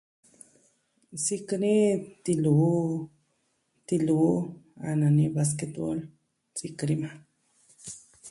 Sikɨ ni tiluu, tiluu a nani vasketvol. Sikɨ ni maa.